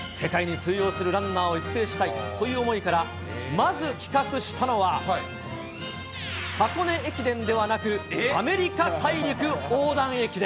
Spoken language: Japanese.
世界に通用するランナーを育成したいという思いから、まず企画したのは、箱根駅伝ではなく、アメリカ大陸横断駅伝。